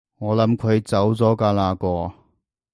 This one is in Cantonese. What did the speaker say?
我諗佢走咗㗎喇喎